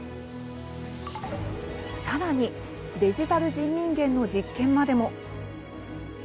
さらに、デジタル人民元の実験までも。